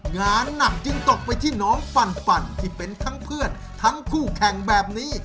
งานหนักจึงตกไปที่น้องฟันที่เป็นทั้งเพื่อนทั้งคู่แข่งแบบนี้